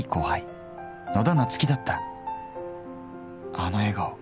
あの笑顔。